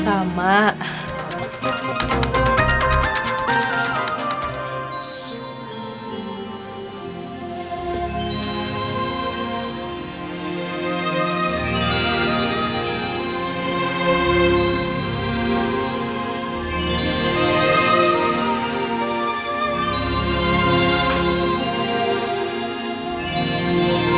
sawa dimakan ibu dari mana